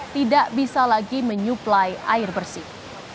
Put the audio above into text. tidak bisa lagi menyuplai air bersih